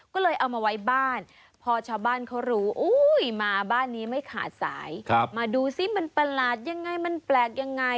ก็เลยเอามาไว้บ้านพอชาวบ้านเขารู้อุ้ยมาบ้านนี้ไม่ขาดสายมาดูซิมันประหลาดยังไงมันแปลกยังไง